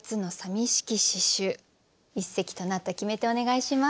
一席となった決め手お願いします。